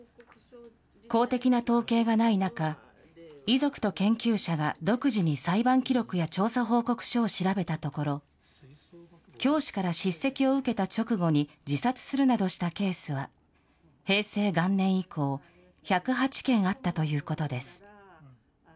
公的な統計がない中、遺族と研究者が独自に裁判記録や調査報告書を調べたところ、教師から叱責を受けた直後に自殺するなどしたケースは、平成元年以降、１０８件あったということです。